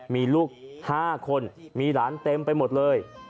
มีลูก๕คนมีหลานเต็มไปหมดเลย